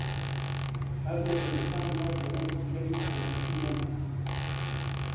هەر لە ئینسان تا جەنابی کەر یەکێ برسی نەما